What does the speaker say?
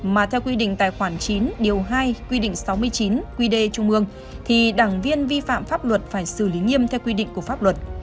mà theo quy định tài khoản chín điều hai quy định sáu mươi chín quy đê trung ương thì đảng viên vi phạm pháp luật phải xử lý nghiêm theo quy định của pháp luật